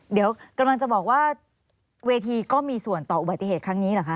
เดี๋ยวกำลังจะบอกว่าเวทีก็มีส่วนต่ออุบัติเหตุครั้งนี้เหรอคะ